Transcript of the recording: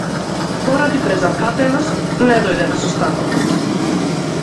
Поради презафатеност не дојде на состанокот.